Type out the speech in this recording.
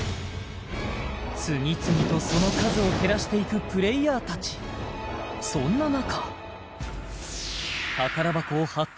次々とその数を減らしていくプレイヤー達そんな中